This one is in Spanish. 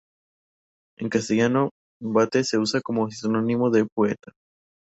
En castellano, "vate" se usa como sinónimo de "poeta".